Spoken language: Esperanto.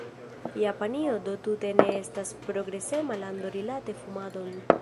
Japanio do tute ne estas progresema lando rilate fumadon.